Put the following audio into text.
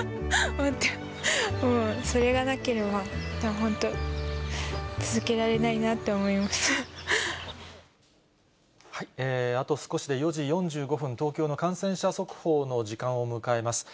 思って、それがなければ、本当、あと少しで４時４５分、東京の感染者速報の時間を迎えます。